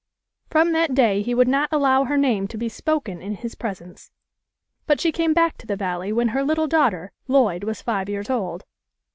From that day he would not allow her name to be spoken in his presence. But she came back to the Valley when her little daughter Lloyd was five years old.